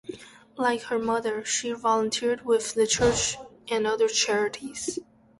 Like her mother, she volunteered with the church and other charities.